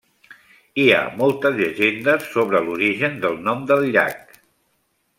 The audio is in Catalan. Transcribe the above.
Hi ha moltes llegendes sobre l'origen del nom del llac.